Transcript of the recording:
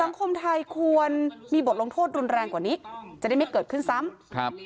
สังคมไทยควรมีบทลงโทษรุนแรงกว่านี้จะได้ไม่เกิดขึ้นซ้ำครับ